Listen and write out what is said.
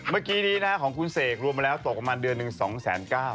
เมื่อกี้นี้นะครับของคุณเสกรกลังมาแล้วตกประมาณเดือนหนึ่งสองแสนก้าว